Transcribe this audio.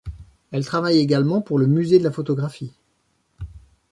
Elle travaille également pour le musée de la photographie.